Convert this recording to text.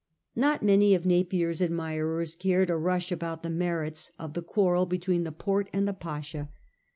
Not many of Napier's admirers cared a rush about the merits of the quarrel between the Porte and the Pasha.